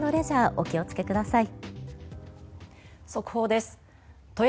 お気をつけください。